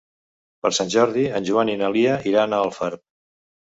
Per Sant Jordi en Joan i na Lia iran a Alfarb.